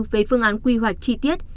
với phương án quy hoạch chi tiết